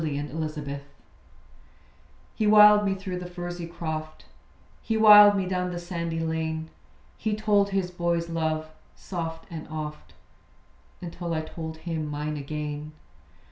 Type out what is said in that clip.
THE MANGO TREE He wiled me through the furzy croft; He wiled me down the sandy lane. He told his boy's love, soft and oft, Until I told him mine again.